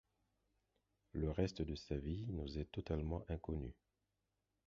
Le reste de sa vie nous est totalement inconnu.